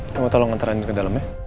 kamu tolong nganterin ke dalam ya